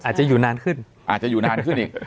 อาจจะอยู่นานขึ้นอาจจะอยู่นานขึ้นอีก